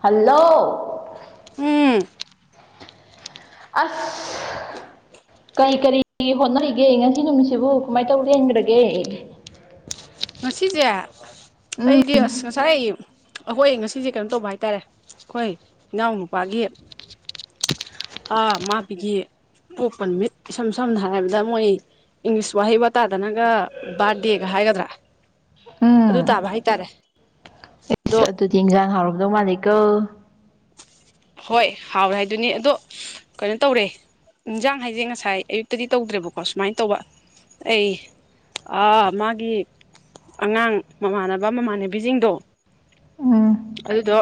hello ꯎꯝ ꯑꯁ ꯀꯔꯤ ꯀꯔꯤ ꯍꯣꯠꯅꯔꯤꯒꯦ ꯉꯁꯤ ꯅꯨꯃꯤꯠꯁꯤꯕꯨ ꯀꯃꯥꯏꯅ ꯇꯧꯔ ꯂꯦꯟꯈ꯭ꯔꯒꯦ ꯉꯁꯤꯖꯦ ꯎꯝ ꯑꯩꯗꯤ ꯑꯁ ꯉꯁꯥꯏ ꯑꯈꯣꯏ ꯉꯁꯤꯁꯦ ꯀꯩꯅꯣ ꯇꯧꯕ ꯍꯥꯏꯇꯥꯔꯦ ꯑꯩꯈꯣꯏ ꯏꯅꯥꯎꯅꯨꯄꯥꯒꯤ ꯑꯥ ꯃꯥꯕꯤꯒꯤ ꯄꯣꯛꯄ ꯅꯨꯃꯤꯠ ꯏꯁꯝ ꯁꯝꯅ ꯍꯥꯏꯔꯕꯗ ꯃꯣꯏ ꯏꯪꯂꯤꯁ ꯋꯥꯍꯩ ꯋꯥꯇꯥꯗꯅꯒ ꯕꯥꯔꯠꯗꯦ ꯒꯥ ꯍꯥꯏꯒꯗ꯭ꯔꯥ ꯑꯗꯨ ꯎꯝ ꯇꯥꯕ ꯍꯥꯏꯇꯥꯔꯦ ꯑꯗꯣ ꯑꯗꯨꯗꯤ ꯏꯟꯖꯥꯡ ꯍꯥꯎꯔꯝꯗꯧ ꯃꯥꯜꯂꯤꯀꯣ ꯍꯣꯏ ꯍꯥꯎꯔꯦ ꯍꯥꯏꯗꯨꯅꯤ ꯑꯗꯣ ꯀꯩꯅꯣ ꯇꯧꯔꯦ ꯏꯟꯖꯥꯡ ꯍꯥꯏꯁꯦ ꯉꯁꯥꯏ ꯑꯌꯨꯛꯇꯗꯤ ꯇꯧꯗ꯭ꯔꯦꯕꯀꯣ ꯁꯨꯃꯥꯏꯅ ꯇꯧꯕ ꯑꯩ ꯑꯥ ꯃꯥꯒꯤ ꯑꯉꯥꯡ ꯃꯃꯥꯟꯅꯕ ꯃꯃꯥꯟꯅꯕꯤꯁꯤꯡꯗꯣ ꯎꯝ ꯑꯗꯨꯗꯣ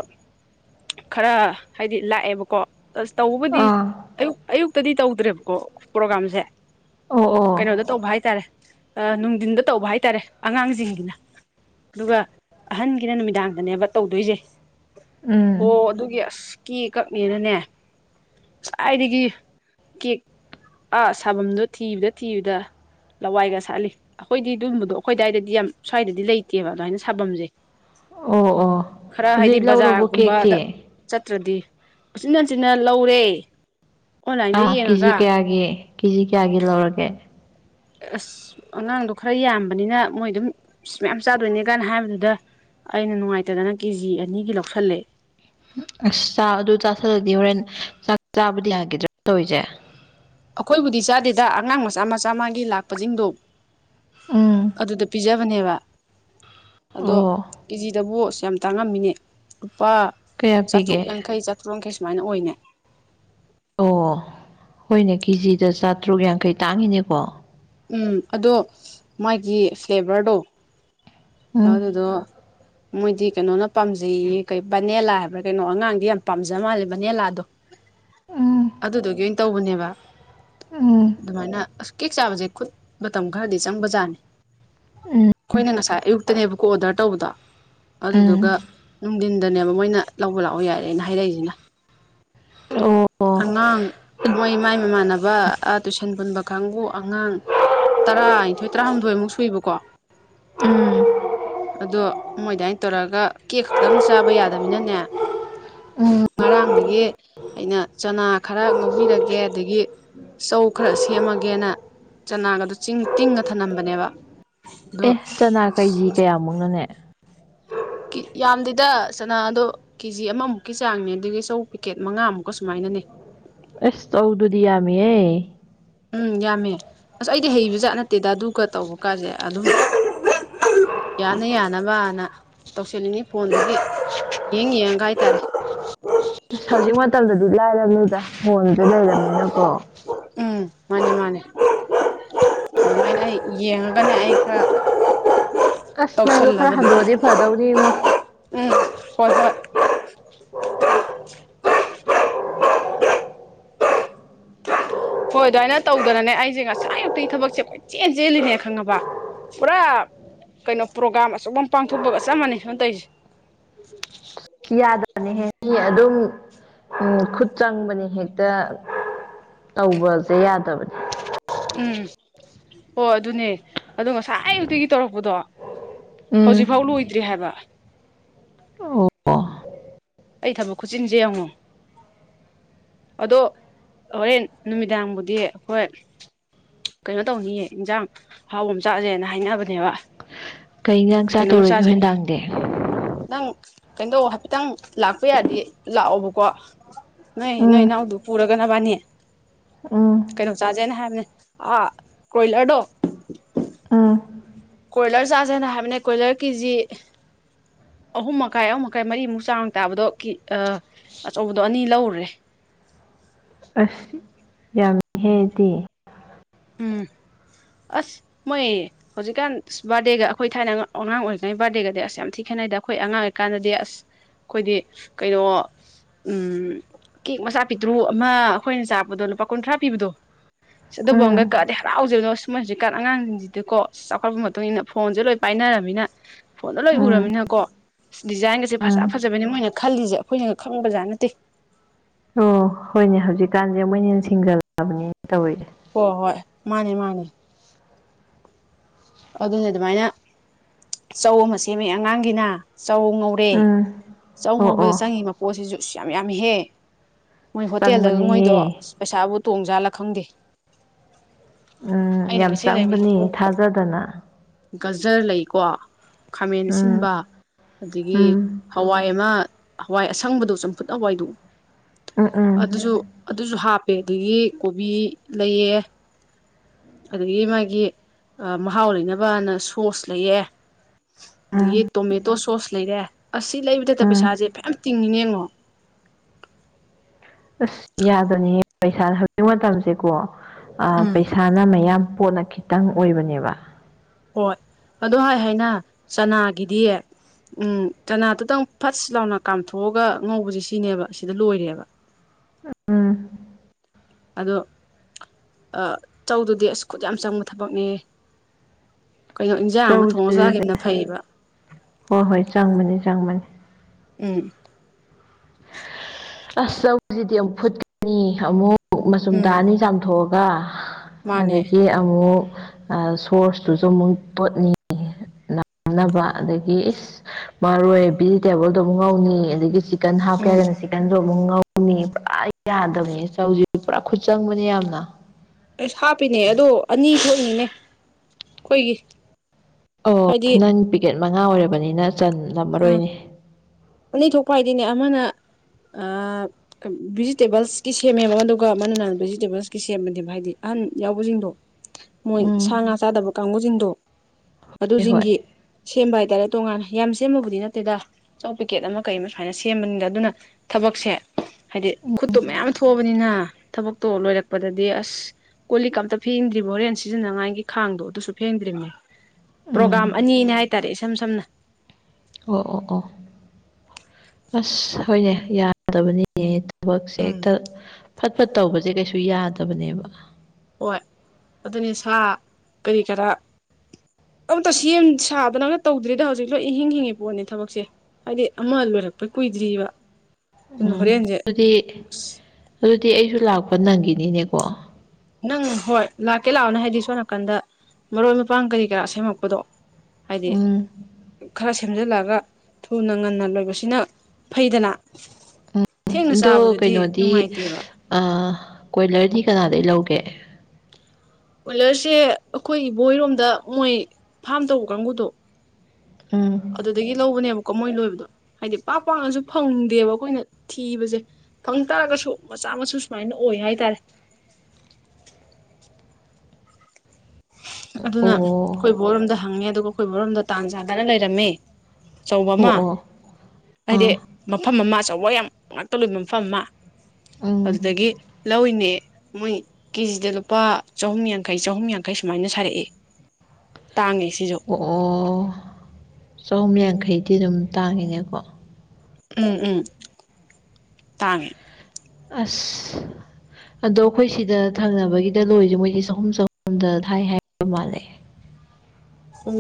ꯈꯔ ꯍꯥꯏꯗꯤ ꯂꯥꯛꯑꯦꯕꯀꯣ ꯑꯁ ꯇꯧꯕꯕꯨꯗꯤ ꯑꯥ ꯑꯌꯨꯛ ꯑꯌꯨꯛꯇꯗꯤ ꯇꯧꯗ꯭ꯔꯦꯕꯀꯣ ꯄ꯭ꯔꯣꯒꯥꯝꯁꯦ ꯑꯣ ꯑꯣ ꯀꯩꯅꯣꯗ ꯇꯧꯕ ꯍꯥꯏꯇꯥꯔꯦ ꯅꯨꯡꯊꯤꯟꯗ ꯇꯧꯕ ꯍꯥꯏꯇꯥꯔꯦ ꯑꯉꯥꯡꯁꯤꯡꯒꯤꯅ ꯑꯗꯨꯒ ꯑꯍꯟꯒꯤꯅ ꯅꯨꯃꯤꯗꯥꯡꯗꯅꯦꯕ ꯇꯧꯗꯣꯏꯁꯦ ꯍꯣ ꯎꯝ ꯑꯗꯨꯒꯤ ꯑꯁ ꯀꯦꯛ ꯀꯛꯅꯦꯅꯅꯦ ꯁꯥꯏꯗꯒꯤ ꯀꯦꯛ ꯑ ꯁꯥꯐꯝꯗꯣ ꯊꯤꯕꯗ ꯊꯤꯕꯗ ꯂꯋꯥꯏꯒ ꯁꯥꯠꯂꯤ ꯑꯩꯈꯣꯏꯗꯤ ꯑꯗꯨꯨꯝꯕꯗꯣ ꯑꯩꯈꯣꯏ ꯑꯗꯨꯋꯥꯏꯗꯗꯤ ꯌꯥꯝ ꯁ꯭ꯋꯥꯏꯗꯗꯤ ꯂꯩꯇꯦꯕ ꯑꯗꯨꯃꯥꯏꯅ ꯁꯥꯐꯝꯁꯦ ꯑꯣ ꯑꯣ ꯈꯔ ꯍꯥꯏꯗꯤ ꯑꯗꯨꯗꯤ ꯂꯧꯔꯕꯣ ꯀꯦꯛꯇꯤ ꯕꯖꯥꯔꯒꯨꯝꯕꯗ ꯆꯠꯇ꯭ꯔꯗꯤ ꯎꯆꯤꯟ ꯅꯥꯆꯤꯟꯅ ꯂꯧꯔꯦ ꯑꯣꯟꯂꯥꯏꯟꯗ ꯑꯥ ꯀꯦꯖꯤ ꯌꯦꯡꯉꯒ ꯀꯌꯥꯒꯤ ꯀꯦꯖꯤ ꯀꯌꯥꯒꯤ ꯂꯧꯔꯒꯦ ꯑꯁ ꯑꯉꯥꯡꯗꯣ ꯈꯔ ꯌꯥꯝꯕꯅꯤꯅ ꯃꯣꯏ ꯑꯗꯨꯝ ꯏꯁ ꯃꯌꯥꯝ ꯆꯥꯗꯣꯏꯅꯦ ꯀꯥꯏꯅ ꯍꯥꯏꯕꯗꯨꯗ ꯑꯩꯅ ꯅꯨꯡꯉꯥꯏꯇꯗꯅ ꯀꯦꯖꯤ ꯑꯅꯤꯒꯤ ꯂꯧꯁꯜꯂꯦ ꯑꯁ ꯆꯥ ꯑꯗꯨ ꯆꯥꯥꯁꯜꯂꯗꯤ ꯍꯣꯔꯦꯟ ꯆꯥꯛ ꯆꯥꯕꯗꯤ ꯌꯥꯈꯤꯗ꯭ꯔꯥ ꯇꯧꯔꯤꯁꯦ ꯑꯩꯈꯣꯏꯕꯨꯗꯤ ꯆꯥꯗꯦꯗ ꯑꯉꯥꯡ ꯃꯆꯥ ꯃꯆꯥ ꯃꯥꯒꯤ ꯂꯥꯛꯄꯁꯤꯡꯗꯣ ꯎꯝ ꯑꯗꯨꯗ ꯄꯤꯖꯕꯅꯦꯕ ꯑꯗꯣ ꯑꯣ ꯀꯦꯖꯤꯗꯕꯨ ꯑ ꯌꯥꯝ ꯇꯥꯡꯉꯝꯃꯤꯅꯦ ꯂꯨꯄꯥ ꯀꯌꯥ ꯆꯥꯇ꯭ꯔꯨꯛ ꯄꯤꯒꯦ ꯌꯥꯡꯈꯩ ꯈꯩ ꯁꯨꯃꯥꯏꯅ ꯑꯣꯏꯅꯦ ꯑꯣ ꯍꯣꯏꯅꯦ ꯀꯦꯖꯤꯗ ꯆꯥꯇ꯭ꯔꯨꯛ ꯌꯥꯡꯈꯩ ꯇꯥꯡꯉꯤꯅꯦꯀꯣ ꯎꯝ ꯑꯗꯣ ꯃꯥꯒꯤ ꯐ꯭ꯂꯦꯕꯔꯗꯣ ꯎꯝ ꯑꯗꯨꯗꯣ ꯃꯣꯏꯗꯤ ꯀꯩꯅꯣꯅ ꯄꯥꯝꯖꯩꯌꯦ ꯀꯩ ꯕꯅꯦꯂꯥ ꯍꯥꯏꯕ꯭ꯔꯥ ꯀꯩꯅꯣ ꯑꯉꯥꯡꯗꯤ ꯌꯥꯝ ꯄꯥꯝꯖ ꯃꯥꯜꯂꯦ ꯕꯅꯦꯂꯥꯗꯣ ꯎꯝ ꯑꯗꯨꯗꯨꯒꯤ ꯑꯣꯏꯅ ꯇꯧꯕꯅꯦꯕ ꯎꯝ ꯑꯗꯨꯃꯥꯏꯅ ꯑꯁ ꯀꯦꯛ ꯆꯥꯕꯁꯦ ꯈꯨꯠ ꯃꯇꯝ ꯈꯔꯗꯤ ꯆꯪꯕꯖꯥꯠꯅꯤ ꯎꯝ ꯑꯩꯈꯣꯏꯅ ꯉꯁꯥꯏ ꯑꯌꯨꯛꯇꯅꯦꯕꯀꯣ ꯑꯣꯗꯔ ꯇꯧꯕꯗꯣ ꯎꯝ ꯑꯗꯨꯗꯨꯒ ꯅꯨꯡꯊꯤꯟꯗꯅꯦꯕ ꯃꯣꯏꯅ ꯂꯧꯕ ꯂꯥꯛꯑꯣ ꯌꯥꯏꯔꯦꯅ ꯍꯥꯏꯔꯛꯏꯁꯤꯅ ꯑꯣ ꯑꯣ ꯑꯉꯪ ꯃꯣꯏ ꯃꯥꯏ ꯃꯃꯥꯟ ꯃꯃꯥꯟꯅꯕ ꯑ ꯇꯨꯏꯁꯟ ꯄꯨꯟꯕ ꯀꯥꯡꯕꯨ ꯑꯉꯥꯡ ꯇꯔꯥꯅꯤꯊꯣꯏ ꯇꯔꯥꯍꯨꯝꯗꯣꯏꯃꯨꯛ ꯁꯨꯏꯕꯀꯣ ꯎꯝ ꯑꯗꯣ ꯃꯣꯏ ꯑꯗꯥꯏꯅ ꯇꯧꯔꯛꯑꯒ ꯀꯦꯛ ꯈꯛꯇꯪ ꯆꯥꯕ ꯌꯥꯗꯕꯅꯤꯅꯅꯦ ꯎꯝ ꯉꯔꯥꯡꯗꯒꯤ ꯑꯩꯅ ꯆꯅꯥ ꯈꯔ ꯉꯧꯕꯤꯔꯒꯦ ꯑꯗꯒꯤ ꯆꯧ ꯈꯔ ꯁꯦꯝꯃꯒꯦꯅ ꯆꯅꯥꯒꯗꯨ ꯆꯤꯡ ꯇꯤꯡꯉ ꯊꯅꯝꯕꯅꯦꯕ ꯑꯗꯣ ꯑꯦ ꯆꯅꯥ ꯀꯩꯖꯤ ꯀꯌꯥꯃꯨꯛꯅꯣꯅꯦ ꯀꯤ ꯌꯥꯝꯗꯦꯗ ꯆꯅꯥ ꯗꯣ ꯀꯦꯖꯤ ꯑꯃꯃꯨꯛꯀꯤ ꯆꯥꯡꯅꯦ ꯑꯗꯨꯒꯤ ꯆꯧ ꯄꯤꯀꯦꯠ ꯃꯉꯥꯃꯨꯛꯀ ꯁꯨꯃꯥꯏꯅꯅꯦ ꯑꯦꯁ ꯆꯧꯗꯨꯗꯤ ꯌꯥꯝꯃꯦꯍꯦ ꯎꯝ ꯌꯥꯝꯃꯦ ꯑꯁ ꯑꯩꯗꯤ ꯍꯩꯕꯖꯥꯠ ꯅꯠꯇꯦꯗ ꯑꯗꯨꯒ ꯇꯧꯕ ꯀꯥꯖꯦ ꯑꯗꯨꯝ ꯌꯥꯅ ꯌꯥꯅꯕꯅ ꯇꯧꯁꯜꯂꯤꯅꯤ ꯐꯣꯟꯗꯒꯤ ꯌꯦꯡ ꯌꯦꯡꯉꯒ ꯍꯥꯏꯇꯥꯔꯦ ꯍꯧꯖꯤꯛ ꯃꯇꯝꯗꯗꯤ ꯂꯥꯏꯔꯕꯅꯤꯗ ꯐꯣꯟꯗꯨ ꯂꯩꯔꯕꯅꯤꯅꯀꯣ ꯎꯝ ꯃꯥꯅꯦ ꯃꯥꯅꯦ ꯑꯗꯨꯃꯥꯏꯅ ꯑꯩ ꯌꯦꯡꯉꯅꯦ ꯑꯩ ꯈꯔ ꯑꯁ ꯅꯪꯗꯣ ꯈꯔ ꯇꯧꯁꯜꯂꯕꯅꯦ ꯍꯟꯗꯣꯛꯑꯗꯤ ꯐꯗꯧꯅꯦ ꯏꯉꯣ ꯎꯝ ꯍꯣꯏ ꯍꯣꯏ [unintelligible] ꯍꯣꯏ ꯑꯗꯨꯃꯥꯏꯅ ꯇꯧꯗꯅꯅꯦ ꯑꯩꯁꯦ ꯉꯁꯥꯏ ꯑꯌꯨꯛꯇꯒꯤ ꯊꯕꯛꯁꯦ ꯀꯣꯏ ꯆꯦꯟ ꯆꯦꯜꯂꯤꯅꯦ ꯈꯪꯉꯕ ꯄꯨꯔꯥ ꯀꯩꯅꯣ ꯄ꯭ꯔꯣꯒ꯭ꯔꯥꯝ ꯑꯆꯧꯕ ꯑꯃ ꯄꯥꯡꯊꯣꯛꯄꯒ ꯆꯝ ꯃꯥꯟꯩ ꯁꯣꯝ ꯇꯩꯁꯦ ꯌꯥꯗꯕꯅꯤꯍꯦ ꯃꯤ ꯑꯗꯨꯝ ꯎꯝ ꯈꯨꯠ ꯆꯪꯕꯅꯦ ꯍꯦꯛꯇ ꯇꯧꯕꯁꯦ ꯌꯥꯗꯕꯅꯦ ꯎꯝ ꯍꯣ ꯑꯗꯨꯅꯦ ꯑꯗꯣ ꯉꯁꯥꯏ ꯑꯌꯨꯛꯇꯒꯤ ꯇꯧꯔꯛꯄꯗꯣ ꯎꯝ ꯍꯧꯖꯤꯛ ꯐꯥꯎ ꯂꯣꯏꯗ꯭ꯔꯤ ꯍꯥꯏꯕ ꯑꯣ ꯑꯩ ꯊꯕꯛ ꯈꯨꯠꯆꯤꯟꯁꯦ ꯌꯦꯡꯉꯣ ꯑꯗꯣ ꯍꯣꯔꯦꯟ ꯅꯨꯃꯤꯗꯥꯡꯕꯨꯗꯤ ꯑꯈꯣꯏ ꯀꯩꯅꯣ ꯇꯧꯅꯤꯌꯦ ꯏꯟꯖꯥꯡ ꯑꯍꯥꯎꯕ ꯑꯃ ꯆꯥꯥꯁꯦꯅ ꯍꯥꯏꯅꯕꯅꯦꯕ ꯀꯩ ꯏꯟꯖꯥꯡ ꯀꯩꯅꯣꯝꯃ ꯆꯥꯗꯧꯔꯒꯦ ꯆꯥꯁꯦ ꯍꯥꯏ ꯍꯦꯟꯗꯥꯡꯗꯤ [unintelligible] ꯅꯪ ꯀꯩꯅꯣ ꯇꯧꯋꯣ ꯍꯥꯏꯐꯦꯠꯇꯪ ꯂꯥꯛꯄ ꯌꯥꯔꯗꯤ ꯂꯥꯛꯑꯣꯕꯀꯣ ꯅꯣꯏ ꯅꯣꯏ ꯎꯝ ꯏꯅꯥꯎꯗꯨ ꯄꯨꯔꯒ ꯅꯕꯥꯅꯤ ꯎꯝ ꯀꯩꯅꯣ ꯆꯥꯖꯦꯅ ꯍꯥꯏꯕꯅꯦ ꯑꯥ ꯀ꯭ꯔꯣꯏꯂꯔꯗꯣ ꯑꯥ ꯀ꯭ꯔꯣꯏꯂꯔ ꯆꯥꯥꯁꯦꯅ ꯍꯥꯏꯕꯅꯦ ꯀꯣꯏꯂꯔ ꯀꯦꯖꯤ ꯑꯍꯨꯝ ꯃꯈꯥꯏ ꯑꯍꯨꯝ ꯃꯈꯥꯏ ꯃꯔꯤꯃꯨꯛ ꯆꯥꯡ ꯇꯥꯕꯗꯣ ꯀꯤ ꯑ ꯑꯆꯧꯕꯗꯣ ꯑꯅꯤ ꯂꯧꯔꯨꯔꯦ ꯑꯁ ꯌꯥꯝꯃꯤꯍꯦ ꯗꯤ ꯎꯝ [inaudible] ꯑꯁ ꯃꯣꯏ ꯍꯖꯤꯛꯀꯥꯟ ꯑꯁ ꯕꯥꯔꯗꯦꯒ ꯑꯈꯣꯏ ꯊꯥꯏꯅ ꯑꯉꯥ-ꯑꯉꯥꯡ ꯑꯣꯏꯔꯤꯉꯩꯀꯥꯟ ꯕꯥꯔꯗꯦꯒꯗꯤ ꯑꯁ ꯌꯥꯝ ꯊꯤ ꯈꯦꯠꯅꯩꯗ ꯈꯣꯏ ꯑꯉꯥꯡ ꯑꯣꯏꯔꯤꯀꯥꯟꯗꯗꯤ ꯑꯁ ꯑꯈꯣꯏꯗꯤ ꯀꯩꯅꯣ ꯎꯝ ꯀꯦꯛ ꯃꯆꯥ ꯄꯤꯛꯇ꯭ꯔꯨ ꯑꯃ ꯑꯈꯣꯏꯅ ꯆꯥꯔꯛꯄꯗꯣ ꯂꯨꯄꯥ ꯀꯨꯟꯊ꯭ꯔꯥ ꯄꯤꯕꯗꯣ ꯁꯤ ꯑꯗꯨꯒꯨꯝꯕ ꯑꯝꯒ [unintelligible] ꯎꯝ ꯀꯛꯑꯗꯤ ꯍꯔꯥꯎꯖꯕꯗꯣ ꯑꯁ ꯃꯣꯏ ꯍꯧꯖꯤꯛ ꯀꯥꯟ ꯑꯉꯥꯡꯁꯤꯡꯁꯤꯗꯤꯀꯣ ꯆꯥꯎꯈꯠꯄꯩ ꯃꯇꯨꯡ ꯏꯟꯅ ꯐꯣꯟꯁꯦ ꯂꯣꯏ ꯄꯥꯏꯅꯔꯕꯅꯤꯅ ꯐꯣꯟꯗ ꯂꯣꯏ ꯎꯝ ꯎꯔꯃꯤꯅꯀꯣ ꯗꯤꯖꯥꯏꯟꯒꯁꯦ ꯐꯖ ꯎꯝ ꯐꯖꯕꯤꯅꯤ ꯃꯣꯏꯅ ꯈꯜꯂꯤꯁꯦ ꯑꯩꯈꯣꯏꯅꯒ ꯈꯪꯕ ꯖꯥꯠ ꯅꯠꯇꯦ ꯑꯣ ꯍꯣꯏꯅꯦ ꯍꯧꯖꯤꯛꯀꯥꯟꯁꯦ ꯃꯣꯏꯅ ꯍꯦꯟ ꯁꯤꯡꯖꯜꯂꯛꯑꯕꯅꯤꯅꯦ ꯇꯧꯔꯤꯁꯦ ꯍꯣ ꯍꯣꯏ ꯃꯥꯅꯦ ꯃꯥꯅꯦ ꯑꯗꯨꯅꯦ ꯑꯗꯨꯃꯥꯏꯅ ꯆꯧ ꯑꯃ ꯁꯦꯝꯃꯦ ꯑꯉꯥꯡꯒꯤꯅ ꯆꯧ ꯉꯧ ꯔꯦ ꯎꯝ ꯆꯧ ꯑꯣ ꯑꯣ ꯉꯧꯕꯗ ꯆꯪꯉꯤꯕ ꯄꯣꯠꯁꯤꯁꯨ ꯌꯥꯝ ꯌꯥꯝꯃꯦꯍꯦ ꯃꯣꯏ ꯍꯣꯇꯦꯜꯗꯒ ꯉꯧꯏꯗꯣ ꯆꯪꯕꯅꯦꯍꯦ ꯄꯩꯁꯥꯕꯨ ꯇꯣꯡꯖꯥꯠꯂ ꯈꯪꯗꯦ ꯎꯝ ꯑꯩꯅ ꯌꯥꯝ ꯉꯁꯤ ꯆꯪꯕꯅꯦ ꯊꯥꯖꯗꯅ ꯒꯥꯖꯔ ꯂꯩꯀꯣ ꯈꯥꯃꯦꯟ ꯎꯝ ꯑꯁꯤꯟꯕ ꯑꯗꯒꯤ ꯎꯝ ꯍꯋꯥꯏ ꯑꯃ ꯍꯋꯥꯏ ꯑꯁꯪꯕꯗꯣ ꯆꯝꯐꯨꯠ ꯍꯋꯥꯏꯗꯣ ꯎꯝ ꯎꯝ ꯑꯗꯨꯁꯨ ꯑꯗꯨꯁꯨ ꯍꯥꯞꯄꯦ ꯑꯗꯒꯤ ꯀꯣꯕꯤ ꯂꯩꯌꯦ ꯑꯗꯒꯤ ꯃꯥꯒꯤ ꯃꯍꯥꯎ ꯂꯩꯅꯕꯅ ꯁꯣꯁ ꯂꯩꯌꯦ ꯎꯝ ꯑꯗꯒꯤ ꯇꯣꯃꯦꯇꯣ ꯁꯣꯁ ꯂꯩꯔꯦ ꯑꯁꯤ ꯂꯩꯕꯗꯇ ꯎꯝ ꯄꯩꯁꯥꯁꯦ ꯐꯩꯌꯥꯝ ꯇꯤꯡꯉꯤꯅꯦ ꯌꯦꯡꯉꯣ ꯑꯁ ꯌꯥꯗꯝꯅꯤꯍ‌ꯦ ꯄꯩꯁꯥ ꯍꯧꯖꯤꯛ ꯃꯇꯝꯁꯦꯀꯣ ꯑꯥ ꯎꯝ ꯄꯩ ꯁꯥꯅ ꯃꯌꯥꯝ ꯄꯣꯠꯅ ꯈꯤꯇꯪ ꯑꯣꯏꯕꯅꯦꯕ ꯍꯣꯏ ꯑꯗꯨ ꯍꯥꯏ ꯍꯥꯏꯅ ꯆꯅꯥꯒꯤꯗꯤ ꯎꯝ ꯆꯅꯥꯗꯨꯇꯪ ꯐꯁ ꯂꯥꯎꯅ ꯀꯥꯝꯊꯣꯛꯑꯒ ꯉꯧꯕꯖꯤ ꯁꯤꯅꯦꯕ ꯁꯤꯗ ꯂꯣꯏꯔꯦꯕ ꯎꯝ ꯑꯗꯣ ꯑ ꯆꯧꯗꯨꯗꯤ ꯑꯁ ꯈꯨꯠ ꯌꯥꯝ ꯆꯪꯕ ꯊꯕꯛꯅꯦꯍ‌ꯦ ꯀꯩꯅꯣ ꯏꯟꯖꯥꯡ ꯑꯃ ꯆꯧꯁꯦ ꯊꯣꯡꯉ ꯆꯥꯒꯤꯝꯅ ꯐꯩꯕ ꯍꯣꯏ ꯍꯣꯏ ꯆꯪꯕꯅꯤ ꯆꯪꯕꯅꯤ ꯎꯝ ꯑꯁ ꯆꯧꯖꯤꯗꯤ ꯑꯃꯨꯛ ꯐꯨꯠꯀꯅꯤ ꯑꯃꯨꯛ ꯃꯆꯨꯝ ꯎꯝ ꯇꯥꯅꯤ ꯆꯥꯝꯊꯣꯛꯑꯒ ꯃꯥꯅꯦ ꯑꯗꯒꯤ ꯑꯃꯨꯛ ꯑ‌ ꯁꯣꯔꯁꯇꯨꯁꯨ ꯑꯃꯨꯛ ꯇ‌ꯣꯠꯅꯤ ꯅꯝꯅꯕ ꯑꯗꯒꯤ ꯏꯁ ꯃꯔꯣꯏ ꯚꯤꯖꯤꯇꯦꯕꯜꯗꯨ ꯑꯃꯨꯛ ꯉꯧꯅꯤ ꯑꯗꯒꯤ ꯆꯤꯛꯀꯟ ꯍꯥꯞ ꯎꯝ ꯀꯥꯏꯗꯅ ꯆꯤꯛꯀꯟꯗꯨ ꯑꯃꯨꯛ ꯉꯧꯅꯤ ꯄꯨꯔꯥ ꯌꯥꯗꯕꯅꯦ ꯆꯧꯖꯤ ꯄꯨꯔꯥ ꯈꯨꯠꯆꯪꯕꯅꯤ ꯌꯥꯝꯅ ꯑꯁ ꯍꯥꯞꯄꯤꯅꯦ ꯑꯗꯣ ꯑꯅꯤ ꯊꯣꯛꯏꯅꯤꯅꯦ ꯑꯩꯈꯣꯏꯒꯤ ꯑꯣ ꯍꯥꯏꯗꯤ ꯅꯪ ꯄꯤꯀꯦꯠ ꯃꯉꯥ ꯑꯣꯏꯔꯕꯅꯤꯅ ꯑꯥ ꯆꯟꯂꯝꯃꯔꯣꯏꯅꯦ ꯑꯅꯤ ꯊꯣꯛꯄ ꯍꯥꯏꯗꯤꯅꯦ ꯑꯃꯅ ꯑ ꯀꯝ ꯚꯤꯖꯤꯇꯦꯕꯜꯁꯀꯤ ꯁꯦꯝꯃꯦꯕ ꯑꯗꯨꯒ ꯃꯥꯅꯅꯟ ꯚꯤꯖꯤꯇꯦꯕꯜꯁꯀꯤ ꯁꯦꯝꯕꯅꯦꯕ ꯍꯥꯏꯗꯤ ꯑꯍꯟ ꯌꯥꯎꯕꯖꯤꯡꯗꯣ ꯃꯣꯏ ꯎꯝ ꯁꯥ ꯉꯥ ꯆꯥꯗꯕ ꯀꯥꯡꯕꯨꯖꯤꯡꯗꯣ ꯍꯣꯏ ꯑꯗꯨꯖꯤꯡꯒꯤ ꯁꯦꯝꯕ ꯍꯥꯏꯇꯥꯔꯦ ꯇꯣꯉꯥꯟꯅ ꯌꯥꯝ ꯁꯦꯝꯕꯕꯨꯗꯤ ꯅꯠꯇꯦꯗ ꯆꯧ ꯄꯤꯀꯦꯠ ꯑꯃ ꯀꯩ ꯑꯃ ꯁ꯭ꯋꯥꯏꯅ ꯁꯦꯝꯕꯅꯤꯗ ꯑꯗꯨꯅ ꯊꯕꯛꯁꯦ ꯍꯥꯏꯗꯤ ꯈꯨꯠꯇꯨ ꯃꯌꯥꯝ ꯊꯣꯛꯑꯕꯅꯤꯅ ꯊꯕꯛꯇꯣ ꯂꯣꯏꯔꯛꯄꯗꯗꯤ ꯑꯁ ꯀꯣꯜꯂꯤꯛꯀ ꯑꯝꯇ ꯐꯦꯡꯗ꯭ꯔꯤꯕꯣ ꯍꯣꯔꯦꯟ ꯁꯤꯖꯤꯟꯅꯉꯥꯏꯒꯤ ꯈꯥꯡꯗꯣ ꯑꯗꯨꯁꯨ ꯐꯦꯡꯗ꯭ꯔꯤꯕꯅꯤ ꯄ꯭ꯔꯣꯒꯥꯝ ꯎꯝ ꯑꯅꯤꯅ‌ꯦ ꯍꯥꯏꯇꯥꯔꯦ ꯏꯁꯝ ꯁꯝꯅ ꯑꯣ ꯑꯣ ꯑꯣ ꯑꯁ ꯍꯣꯏꯅꯦ ꯌꯥꯗꯕꯅꯤꯅ‌ꯦ ꯊꯕꯛꯁꯦ ꯎꯝ ꯍꯦꯛꯇ ꯐꯠ ꯐꯠ ꯇꯧꯕꯖ‌ꯦ ꯀꯩꯁꯨ ꯌꯥꯗꯕꯅꯦꯕ ꯍꯣꯏ ꯑꯗꯨꯅꯤ ꯁꯥ ꯀꯔꯤ ꯀꯔꯥ ꯑꯝꯇ ꯁꯦꯝ ꯁꯥꯗꯅꯒ ꯇꯧꯗ꯭ꯔꯤꯗꯥ ꯍꯧꯖꯤꯛ ꯂꯣꯏ ꯏꯍꯤꯡ ꯍꯤꯡꯉꯤ ꯄꯣꯠꯅꯦ ꯊꯕꯛꯁꯦ ꯍꯥꯏꯗꯤ ꯑꯃ ꯂꯣꯏꯔꯛꯄꯩ ꯀꯨꯏꯗ꯭ꯔꯤꯕ ꯑꯗꯨꯅ ꯎꯝ ꯍꯣꯔꯦꯟꯁꯦ ꯑꯗꯨꯗꯤ ꯑꯗꯨꯗꯤ ꯑꯩꯁꯨ ꯂꯥꯛꯄ ꯅꯪꯒꯤꯅꯤꯅꯦꯀꯣ ꯅꯪ ꯍꯣꯏ ꯂꯥꯛꯀꯦ ꯂꯥꯛꯑꯣꯅꯦ ꯍꯥꯏꯗꯤ ꯁꯣꯟ ꯅꯥꯀꯟꯗ ꯃꯔꯣꯏ ꯃꯄꯥꯡ ꯀꯔꯤ ꯀꯔꯥ ꯁꯦꯝꯃꯛꯄꯗꯣ ꯍꯥꯏꯗꯤ ꯎꯝ ꯈꯔ ꯁꯦꯝꯖꯤꯜꯂꯛꯑꯒ ꯊꯨꯅ ꯉꯟꯅ ꯂꯣꯏꯕꯁꯤꯅ ꯐꯩꯗꯅ ꯊꯦꯡꯅ ꯏꯟꯗꯣ ꯆꯥꯕꯗꯨꯗꯤ ꯀꯩꯅꯣꯗꯤ ꯅꯨꯡꯉꯥꯏꯇꯦꯕ ꯑꯥ ꯀꯣꯏꯂꯔꯗꯤ ꯀꯅꯥꯗꯩ ꯂꯧꯒꯦ ꯀꯣꯏꯂꯔꯁꯦ ꯑꯩꯈꯣꯏꯒꯤ ꯕꯣꯏꯔꯣꯝꯗ ꯃꯣꯏ ꯐꯥꯝ ꯇꯧꯕ ꯀꯥꯡꯕꯨꯗꯣ ꯎꯝ ꯑꯗꯨꯗꯒꯤ ꯂꯧꯕꯅꯦꯕꯀꯣ ꯃꯣꯏ ꯂꯣꯏꯕꯗꯣ ꯍꯥꯏꯗꯤ ꯄꯥꯛ ꯄꯥꯛꯅꯁꯨ ꯐꯪꯗꯦꯕ ꯑꯩꯈꯣꯏꯅ ꯊꯤꯕꯖ‌ꯦ ꯐꯪ ꯇꯥꯔꯒꯁꯨ ꯃꯆꯥ ꯃꯁꯨ ꯁꯨꯃꯥꯏꯅ ꯑꯣꯏ ꯍꯥꯏꯇꯥꯔꯦ ꯑꯗꯨꯅ ꯑꯩꯈꯣꯏ ꯑꯣ ꯕ‌ꯣꯆꯔꯣꯝꯗ ꯍꯪꯉꯦ ꯑꯗꯨꯒ ꯑꯩꯈꯣꯏ ꯕꯣꯔꯣꯝꯗ ꯇꯥꯟ ꯆꯥꯗꯅ ꯂꯩꯔꯝꯃꯦ ꯑꯆꯧꯕ ꯑꯣ ꯑꯃ ꯑꯣ ꯍꯥꯏꯗꯤ ꯑꯥ ꯃꯐꯝ ꯑꯃ ꯑꯆꯧꯕ ꯌꯥꯝ ꯉꯥꯛꯇ ꯂꯣꯏꯕ ꯃꯐꯝ ꯑꯃ ꯎꯝ ꯑꯗꯨꯗꯒꯤ ꯂꯧꯋꯤꯅꯦ ꯃꯣꯏ ꯀꯦꯖꯤꯗ ꯂꯨꯄꯥ ꯆꯍꯨꯝ ꯌꯥꯡꯈꯩ ꯆꯍꯨꯝ ꯌꯥꯡꯈꯩ ꯁꯨꯃꯥꯏꯅ ꯁꯥꯔꯛꯑꯦ ꯇꯥꯡꯉꯦ ꯁꯤꯖꯨ ꯑꯣ ꯑꯣ ꯆꯍꯨꯝ ꯌꯥꯡꯈꯩꯗꯤ ꯑꯗꯨꯝ ꯇꯥꯡꯉꯤꯅꯦꯀꯣ ꯎꯝ ꯎꯝ ꯇꯥꯡꯉꯦ ꯑꯁ ꯑꯗꯣ ꯑꯩꯈꯣꯏ ꯁꯤꯗ ꯊꯪꯅꯕꯒꯤꯗ ꯂꯣꯏꯔꯤꯖꯦ ꯃꯣꯏꯗꯤ ꯆꯍꯨꯝ ꯆꯍꯨꯝꯗ ꯊꯥꯏ ꯍꯥꯏꯕ ꯃꯥꯜꯂꯦ ꯎꯝ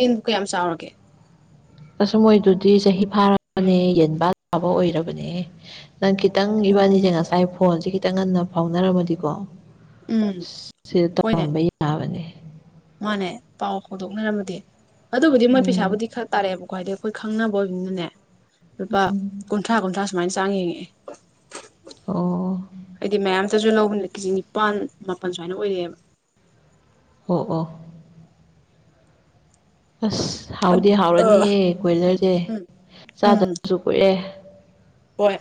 ꯌꯦꯟꯕꯨ ꯀꯌꯥꯝ ꯆꯥꯎꯔꯒꯦ ꯑꯁ ꯃꯣꯏꯗꯨꯗꯤ ꯆꯍꯤ ꯐꯥꯔꯕꯥꯅꯦꯍꯦ ꯌꯦꯟꯕꯥ ꯂꯥꯕ ꯑꯣꯏꯔꯕꯅꯦꯍꯦ ꯅꯪ ꯈꯤꯇꯪ ꯑꯣ ꯏꯕꯥꯟꯅꯤꯖꯦ ꯉꯁꯥꯏ ꯐꯣꯟꯖꯦ ꯈꯤꯇꯪ ꯉꯟꯅ ꯐꯥꯎꯅꯔꯝꯃꯗꯤꯀꯣ ꯎꯝ ꯁꯤꯗ ꯍꯣꯏꯅꯦ ꯇꯧꯔꯝꯕ ꯌꯥꯕꯅꯦ ꯃꯥꯅꯦ ꯄꯥꯎ ꯍꯣꯗꯣꯛꯅꯔꯝꯃꯗꯤ ꯑꯗꯨꯕꯨꯗꯤ ꯃꯣꯏ ꯎꯝ ꯄꯩꯁꯥꯕꯨꯗꯤ ꯈ꯭ꯔ ꯇꯥꯔꯛꯑꯦꯕꯀꯣ ꯍꯥꯏꯗꯤ ꯑꯩꯈꯣꯏ ꯈꯪꯅꯕ ꯑꯣꯏꯕꯅꯤꯅꯅꯦ ꯂꯨꯄꯥ ꯀꯨꯟꯊ꯭ꯔꯥ ꯀꯨꯟꯊ꯭ꯔꯥ ꯁꯨꯃꯥꯏꯅ ꯆꯥꯡ ꯌꯦꯡꯉꯛꯑꯦ ꯑꯣ ꯍꯥꯏꯗꯤ ꯃꯌꯥꯝꯇꯥꯖꯨ ꯂꯧꯕꯅꯤꯅ ꯀꯦꯖꯤ ꯅꯤꯄꯥꯥꯟ ꯃꯥꯄꯜ ꯁꯨꯃꯥꯏꯅ ꯑꯣꯏꯔꯛ ꯑꯦꯕ ꯑꯣ ꯑꯣ ꯑꯁ ꯍꯥꯎꯗꯤ ꯑ ꯍꯥꯎꯔꯅꯤꯍꯦ ꯀꯣꯏꯂꯔꯖꯦ ꯎꯝ ꯎꯝ ꯆꯥꯗꯕꯁꯨ ꯀꯨꯏꯔꯦ ꯍꯣꯏ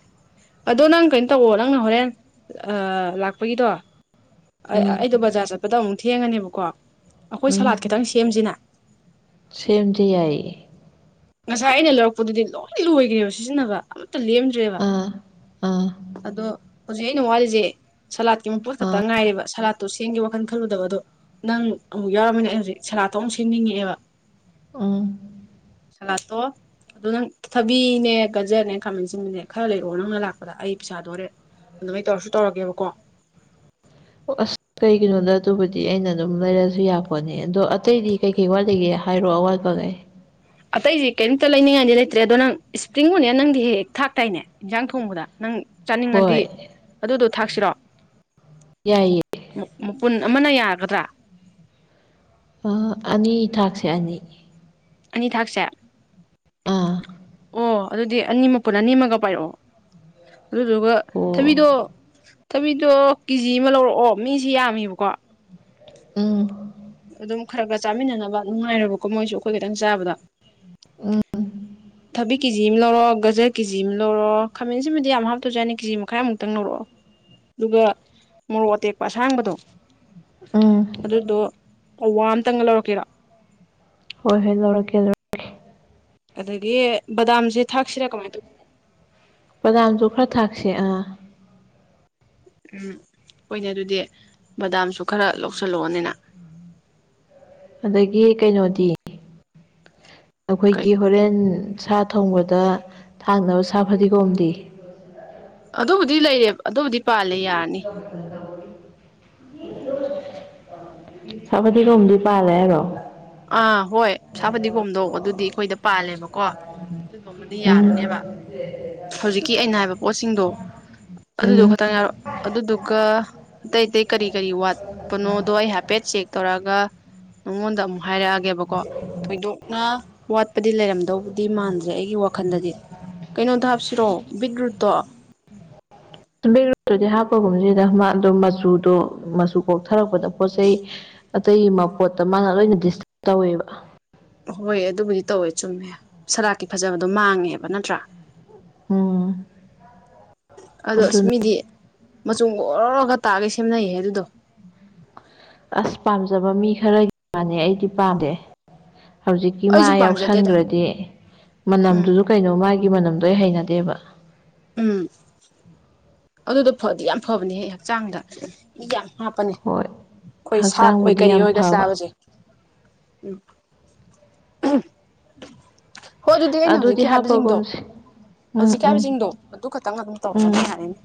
ꯑꯗꯣ ꯅꯪ ꯀꯩꯅꯣ ꯇꯧꯑꯣ ꯅꯪꯅ ꯍꯣꯔꯦꯟ ꯑ ꯂꯥꯛꯄꯒꯤꯗꯣ ꯎꯝ ꯑ-ꯑꯩꯗꯣ ꯕꯖꯥꯔ ꯆꯠꯄꯗ ꯑꯃꯨꯛ ꯊꯦꯡꯉꯅꯦꯕꯀꯣ ꯑꯩꯈꯣꯏ ꯁꯂꯥꯠ ꯈꯤꯇꯪ ꯁꯦꯝꯖꯤꯅ ꯁꯦꯝꯖꯦ ꯌꯥꯏꯌꯦ ꯉꯁꯥꯏ ꯑꯩꯅ ꯂꯧꯔꯛꯄꯗꯨꯗꯤ ꯂꯣꯏ ꯂꯣꯏꯒ꯭ꯔꯦꯕ ꯁꯤꯖꯤꯟꯅꯕ ꯑꯃꯠꯇ ꯂꯦꯝꯗ꯭ꯔꯦꯕ ꯑꯥ ꯑꯥ ꯑꯗꯣ ꯍꯨꯖꯤꯛ ꯑꯩꯅ ꯋꯥꯔꯤꯖꯦ ꯁꯂꯥꯠ ꯀꯤ ꯃꯄꯣꯠ ꯈꯇꯪ ꯉꯥꯏꯔꯦꯕ ꯁꯂꯥꯗꯇꯣ ꯁꯦꯝꯒꯦ ꯋꯥꯈꯜ ꯈꯜꯂꯨꯗꯕ ꯑꯗꯣ ꯅꯪ ꯑꯃꯨꯛ ꯌꯥꯎꯔꯝꯃꯤꯅ ꯑꯩ ꯍꯧꯖꯤꯛ ꯁꯦꯂꯥꯗꯇꯣ ꯑꯃꯨꯛ ꯁꯦꯝꯅꯤꯡꯉꯛꯑꯦꯕ ꯎꯝ ꯁꯂꯥꯗꯇꯣ ꯑꯗꯣ ꯅꯪ ꯊꯕꯤꯅꯦ ꯒꯖꯔꯅꯦ ꯈꯥꯃꯟꯁꯤꯟꯕꯤꯅꯦ ꯈꯔ ꯂꯩꯔꯛꯑꯣ ꯅꯪꯅ ꯂꯥꯛꯄꯗ ꯑꯩ ꯄꯩꯁꯥꯗꯣ ꯍꯣꯔꯦꯟ ꯑꯗꯨꯃꯥꯏꯅ ꯇꯧꯔꯁꯨ ꯇꯧꯔꯒꯦꯕꯀꯣ ꯑꯣ ꯑꯁ ꯀꯩꯒꯤꯅꯣꯗ ꯑꯗꯨꯕꯨꯗꯤ ꯑꯩꯅ ꯑꯗꯨꯝ ꯂꯩꯔꯛ ꯑꯁꯨ ꯌꯥꯄꯣꯠꯅꯤ ꯑꯗꯣ ꯑꯇꯩꯗꯤ ꯀꯩꯀꯩ ꯋꯥꯠ ꯂꯤꯒꯦ ꯍꯥꯏꯔꯛ ꯑꯣ ꯑꯋꯥꯠꯄꯒꯩ ꯑꯇꯩꯗꯤ ꯀꯩꯝꯇ ꯂꯩꯅꯤꯡꯉꯥꯏꯗꯤ ꯂꯩꯇ꯭ꯔꯦ ꯑꯗꯣ ꯅꯪ ꯁꯄ꯭ꯔꯤꯡ ꯑꯣꯅꯤꯌꯟ ꯅꯪꯗꯤ ꯍꯦꯛ ꯍꯦꯛ ꯊꯥꯛꯇꯥꯏꯅꯦ ꯏꯟꯖꯥꯡ ꯊꯣꯡꯕꯗ ꯅꯪ ꯆꯥꯅꯤꯡꯉꯗꯤ ꯍꯣꯏ ꯑꯗꯨꯗꯣ ꯊꯥꯛꯁꯤꯔꯣ ꯌꯥꯏꯌꯦ ꯃꯥ ꯃ-ꯃꯄꯨꯟ ꯑꯃꯅ ꯌꯥꯒꯗ꯭ꯔꯥ ꯑꯥ ꯑꯅꯤ ꯊꯥꯛꯁꯦ ꯑꯅꯤ ꯑꯅꯤ ꯊꯥꯛꯁꯦ ꯑꯥ ꯑꯣ ꯑꯗꯨꯗꯤ ꯑꯅꯤ ꯃꯄꯨꯨꯟ ꯑꯅꯤꯃꯒ ꯄꯥꯏꯔꯛꯑꯣ ꯑꯗꯨꯗꯨꯒ ꯊꯕꯤꯗꯣ ꯊꯕꯤꯗꯣ ꯀꯤꯖꯤ ꯑꯃ ꯂꯧꯔꯛꯑꯣ ꯃꯤꯖꯤ ꯌꯥꯝꯃꯤꯕꯀꯣ ꯎꯝ ꯑꯗꯨꯝ ꯈꯔ ꯈꯔ ꯆꯥꯃꯤꯟꯅꯅꯕ ꯅꯨꯡꯉꯥꯏꯔꯣꯏꯕꯀꯣ ꯃꯣꯏꯖꯨ ꯑꯈꯣꯏ ꯈꯇꯪ ꯆꯥꯕꯗ ꯎꯝ ꯊꯕꯤ ꯀꯦꯖꯤꯝꯃ ꯂꯧꯔꯛꯑꯣ ꯒꯖꯔ ꯀꯦꯖꯤꯝꯃ ꯂꯧꯔꯛꯑꯣ ꯈꯥꯃꯦꯟꯁꯤꯟꯕꯤꯗꯤ ꯌꯥꯝ ꯍꯥꯞꯇ꯭ꯔꯖꯨ ꯌꯥꯅꯤ ꯀꯦꯖꯤ ꯃꯈꯥꯏꯃꯨꯛꯇꯪ ꯂꯧꯔꯛꯑꯣ ꯑꯗꯨꯒ ꯃꯣꯔꯣꯛ ꯑꯇꯦꯛꯄ ꯑꯁꯥꯡꯕꯗꯣ ꯑꯗꯨꯗꯣ ꯎꯝ ꯄꯋꯥ ꯑꯝꯇꯪꯒ ꯂꯧꯔꯛꯀꯦꯔꯣ ꯍꯣꯏ ꯍꯣꯏ ꯂꯧꯔꯛꯀꯦ ꯂꯧꯔꯛ ꯑꯗꯒꯤ ꯕꯗꯥꯝꯖꯦ ꯊꯥꯛꯁꯤꯔꯥ ꯀꯃꯥꯏꯅ ꯇꯧꯗꯣꯏꯅꯣ ꯕꯗꯥꯝꯁꯨ ꯈ꯭ꯔ ꯊꯥꯛꯁꯦ ꯑꯥ ꯎꯝ ꯍꯣꯏꯅꯦ ꯑꯗꯨꯗꯤ ꯕꯗꯥꯝꯁꯨ ꯈꯔ ꯂꯧꯁꯜꯂꯛꯑꯣꯅꯦ ꯅ ꯑꯗꯒꯤ ꯀꯩꯅꯣꯗꯤ ꯀꯩ ꯑꯈꯣꯏꯒꯤ ꯍꯣꯔꯦꯟ ꯁꯥ ꯊꯣꯡꯕꯗ ꯊꯥꯡꯅꯕ ꯁꯥ ꯐꯗꯤꯒꯣꯝꯗꯤ ꯑꯗꯨꯕꯨꯗꯤ ꯂꯩꯔꯦ ꯑꯗꯨꯕꯨꯗꯤ ꯄꯥꯜꯂꯦ ꯌꯥꯔꯅꯤ [inaudible] ꯁꯥ ꯐꯗꯤꯒꯣꯝꯗꯤ ꯄꯥꯜꯂꯦ ꯍꯥꯏꯔꯣ ꯑꯥ ꯍꯣꯏ ꯁꯥ ꯐꯗꯤꯒꯣꯝꯗꯣ ꯑꯗꯨꯗꯤ ꯑꯩꯈꯣꯏꯗ ꯄꯥꯜꯂꯦꯕꯀꯣ ꯑꯗꯨꯗꯣ ꯑꯃꯗꯤ ꯎꯝ ꯌꯥꯔꯅꯦꯕ ꯍꯧꯖꯤꯛꯀꯤ ꯑꯩꯅ ꯍꯥꯏꯕ ꯄꯣꯠꯁꯤꯡꯗꯣ ꯑꯗꯨꯗꯣ ꯎꯝ ꯈꯛꯇꯪ ꯍꯥꯏꯔꯣ ꯑꯗꯨꯗꯨꯒ ꯑꯇꯩ ꯑꯇꯩ ꯀꯔꯤ ꯀꯔꯤ ꯋꯥꯠꯄ ꯅꯣꯗꯣ ꯑꯩ ꯍꯥꯏꯐꯦꯠ ꯆꯦꯛ ꯇꯧꯔꯛꯑꯒ ꯅꯥꯉꯣꯟꯗ ꯑꯃꯨꯛ ꯍꯥꯏꯔꯛꯑꯒꯦꯕꯀꯣ ꯊꯣꯏꯗꯣꯛꯅ ꯋꯥꯠꯄꯗꯤ ꯂꯩꯔꯝꯗꯧꯕꯨ ꯗꯤ ꯃꯥꯟꯗ꯭ꯔꯦ ꯑꯩꯒꯤ ꯋꯥꯈꯟꯗꯗꯤ ꯀꯩꯅꯣꯗꯣ ꯍꯥꯞꯁꯤꯔꯣ ꯕꯤꯠ ꯔꯨꯠꯇꯣ [unintelligible] ꯍꯥꯞꯄꯒꯨꯝꯖꯤꯗ ꯃꯥ ꯑꯗꯨ ꯃꯆꯨꯗꯣ ꯃꯆꯨ ꯀꯣꯛꯊꯔꯛꯄꯗ ꯄꯣꯠ ꯆꯩꯩ ꯑꯇꯩ ꯃꯄꯣꯠꯇ ꯃꯥꯅ ꯂꯣꯏꯅ ꯗꯤꯁ [unintelligible] ꯇꯧꯋꯦꯕ ꯍꯣꯏ ꯑꯗꯨꯕꯨꯗꯤ ꯇꯧꯋꯦ ꯆꯨꯝꯃꯦ ꯁꯂꯥꯛꯀꯤ ꯐꯖꯕꯗꯣ ꯃꯥꯡꯉꯦꯕ ꯅꯠꯇ꯭ꯔꯥ ꯎꯝ ꯑꯗꯣ ꯑꯁ ꯑꯗꯨꯅ ꯃꯤꯗꯤ ꯃꯆꯨꯝ ꯑꯣꯔꯔꯣꯒ ꯇꯥꯒꯩ ꯁꯦꯝꯅꯩꯌꯦ ꯑꯗꯨꯗꯣ ꯑꯁ ꯄꯥꯝꯖꯕ ꯃꯤ ꯈꯔꯒꯤ ꯅꯦ ꯑꯩꯗꯤ ꯄꯥꯝꯗꯦ ꯍꯧꯖꯤꯛꯀꯤ ꯃꯥ ꯑꯩꯁꯨ ꯄꯥꯝꯖꯗꯦꯗ ꯌꯥꯎꯁꯟꯒ꯭ꯔꯗꯤ ꯎꯝ ꯃꯅꯝꯗꯨꯖꯨ ꯀꯩꯅꯣ ꯃꯥꯒꯤ ꯃꯅꯝꯗꯣ ꯑꯩ ꯍꯩꯅꯗꯦꯕ ꯎꯝ ꯑꯗꯨꯗꯣ ꯐꯗꯤ ꯌꯥꯝ ꯐꯕꯅꯦꯍꯦ ꯍꯛꯆꯥꯡꯗ ꯏ ꯌꯥꯝ ꯍꯥꯞꯄꯅꯦ ꯍꯣꯏ ꯑꯩꯈꯣꯏ ꯁꯥꯛ ꯑꯣꯏ ꯍꯛꯆꯥꯡꯕꯨꯗꯤ ꯀꯔꯤ ꯌꯥꯝ ꯑꯣꯏꯒ ꯐꯕ ꯆꯥꯕꯖꯦ ꯎꯨ ꯑꯍꯥ ꯍꯣ ꯑꯗꯨꯗꯤ ꯑꯩꯅ ꯍꯧꯖꯤꯛꯀꯤ ꯍꯥꯏꯕꯖꯤꯡꯗꯣ ꯎꯝ ꯍꯧꯖꯤꯛꯀꯤ ꯎꯝ ꯍꯥꯏꯕꯖꯤꯡꯗꯣ ꯑꯗꯨ ꯈꯛꯇꯪ ꯑꯗꯨꯝ ꯇꯧꯔꯑꯣꯅꯦ ꯎꯝ ꯌꯥꯔꯦꯅꯦ